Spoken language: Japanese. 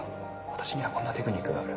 「私にはこんなテクニックがある」